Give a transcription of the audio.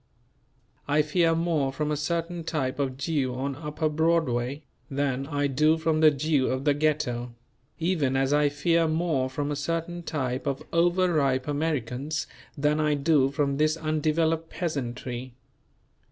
I fear more from a certain type of Jew on Upper Broadway, than I do from the Jew of the Ghetto; even as I fear more from a certain type of over ripe Americans than I do from this undeveloped peasantry.